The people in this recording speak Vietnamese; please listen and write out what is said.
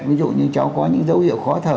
ví dụ như cháu có những dấu hiệu khó thở